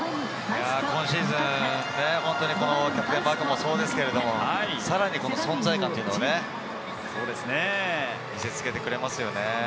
今シーズン、本当にキャプテンマークもそうですけれど、さらに存在感を見せ付けてくれますよね。